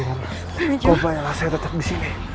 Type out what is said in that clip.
kau bayarlah saya tetap disini